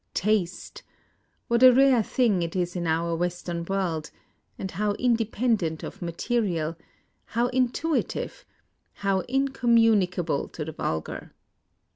Taste !— what a rare thing it is in our Western world !— and how independent of material, — how intuitive, — how incommunicable to the vulgar!